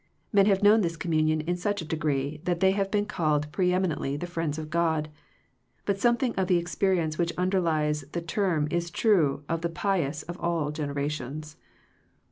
Men have known this communion in such a degree that they have been called preeminently the Friends of God, but something of the experience which un derlies the term is true of the pious of all generations.